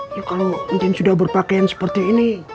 ya kalau mungkin sudah berpakaian seperti ini